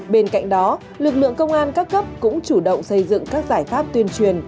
bên cạnh đó lực lượng công an các cấp cũng chủ động xây dựng các giải pháp tuyên truyền